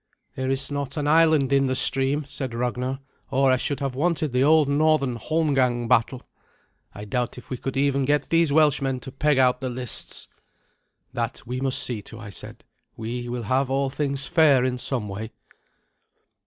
"There is not an island in the stream," said Ragnar, "or I should have wanted the old northern holmgang battle. I doubt if we could even get these Welshmen to peg out the lists." "That we must see to," I said. "We will have all things fair in some way."